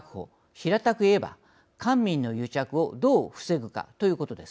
平たく言えば官民の癒着をどう防ぐかということです。